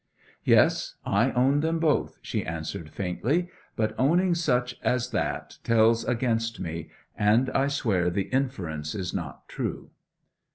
'Yes I own them both,' she answered faintly. 'But owning such as that tells against me; and I swear the inference is not true.'